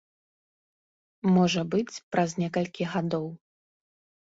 Можа быць, праз некалькі гадоў.